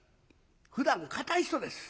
ふだん堅い人です。